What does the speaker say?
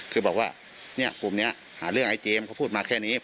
คือบอกว่าเนี่ยกลุ่มนี้หาเรื่องไอ้เจมส์เขาพูดมาแค่นี้